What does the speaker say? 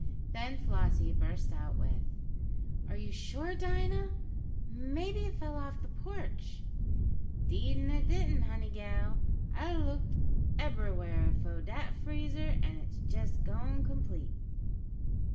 Then Flossie burst out with: "Are you sure, Dinah? Maybe it fell off the porch." "Deed an' it didn't, honey gal. I done looked eberywhar fo' dat freezer, an' it's jest gone complete."